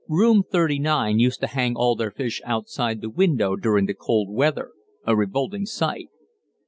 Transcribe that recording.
Room 39 used to hang all their fish outside the window during the cold weather a revolting sight.